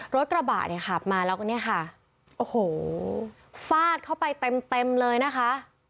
รถกระบะเนี่ยขับมาแล้วก็เนี่ยค่ะโอ้โหฟาดเข้าไปเต็มเต็มเลยนะคะ